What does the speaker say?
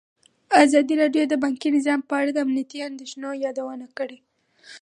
ازادي راډیو د بانکي نظام په اړه د امنیتي اندېښنو یادونه کړې.